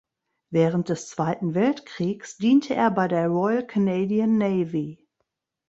Während des Zweiten Weltkriegs diente er bei der Royal Canadian Navy.